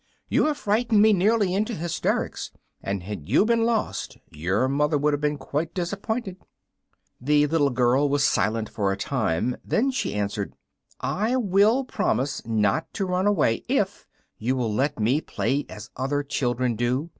You have frightened me nearly into hysterics, and had you been lost your mother would have been quite disappointed." The little girl was silent for a time; then she answered, "I will promise not to run away if you will let me play as other children do.